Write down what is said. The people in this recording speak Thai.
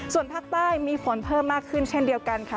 ส่วนภาคใต้มีฝนเพิ่มมากขึ้นเช่นเดียวกันค่ะ